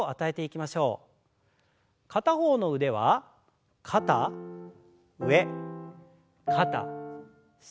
片方の腕は肩上肩下。